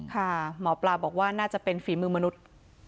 ค่ะหมอปลาบอกว่าน่าจะเป็นฝีมือมนุษย์